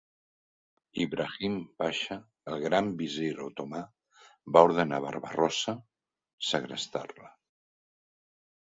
Ibrahim Pasha, el Gran Visir otomà, va ordenar Barba-rossa segrestar-la.